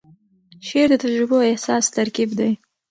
شعر د تجربو او احساس ترکیب دی.